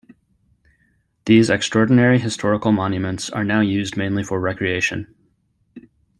These extraordinary historical monuments are now used mainly for recreation.